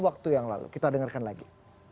waktu yang lalu kita dengarkan lagi